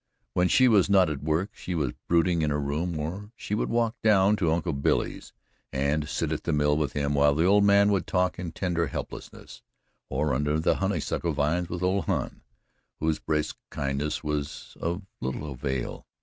When she was not at work, she was brooding in her room, or she would walk down to Uncle Billy's and sit at the mill with him while the old man would talk in tender helplessness, or under the honeysuckle vines with old Hon, whose brusque kindness was of as little avail.